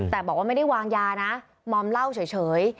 แต่บอกว่าไม่ได้วางยานะมอมเหล้าเฉย